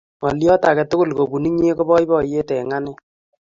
Ng'alyot ake tukul kopun inye ko poipoiyet eng' ane.